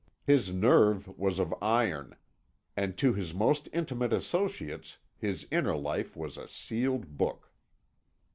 His nerve was of iron, and to his most intimate associates his inner life was a sealed book.